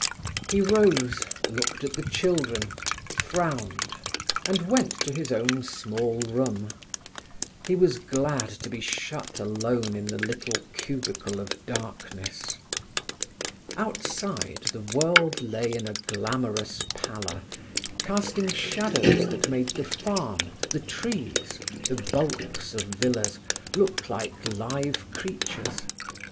He rose, looked at the children, frowned, and went to his own small room. He was glad to be shut alone in the little cubicle of darkness. Outside the world lay in a glamorous pallor, casting shadows that made the farm, the trees, the bulks of villas, look like live creatures.